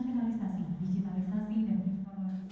dari internasionalisasi digitalisasi dan informasi